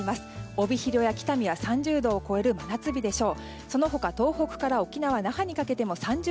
帯広や北見は３０度を超える真夏日でしょう。